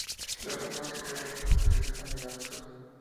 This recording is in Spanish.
La parte más importante del conjunto se sitúa en el lado sur.